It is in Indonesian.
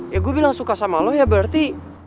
ya gue bilang suka sama lo ya berarti